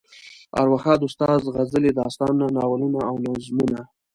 ارواښاد استاد غزلې، داستانونه، ناولونه او نظمونه.